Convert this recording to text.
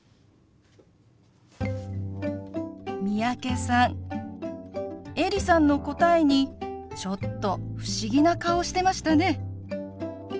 三宅さんエリさんの答えにちょっと不思議な顔をしてましたね。